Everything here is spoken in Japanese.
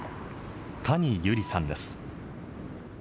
谷友梨さんです。